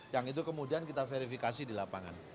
yang itu kemudian kita verifikasi di lapangan